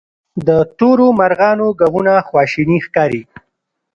د تورو مرغانو ږغونه خواشیني ښکاري.